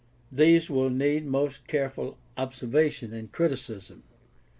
These will need most careful observation and criticism.